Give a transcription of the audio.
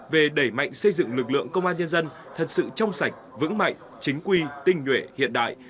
về đẩy mạnh xây dựng lực lượng công an nhân dân thật sự trong sạch vững mạnh chính quy tinh nhuệ hiện đại